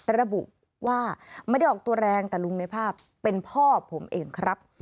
ระบุว่าไม่ได้ออกตัวแรงแต่ลุงในภาพเป็นพ่อผมเองครับ